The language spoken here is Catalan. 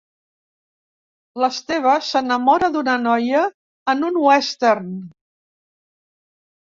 L'Esteve s'enamora d'una noia en un Western.